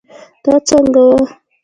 دا څنګه وه